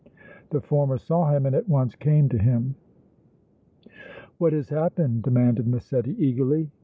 The former saw him and at once came to him. "What has happened?" demanded Massetti, eagerly.